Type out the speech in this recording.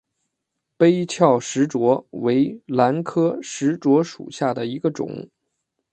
杯鞘石斛为兰科石斛属下的一个种。